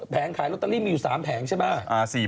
แผงขายล็อตเตอรี่มีอยู่๓แผงใช่ป่ะ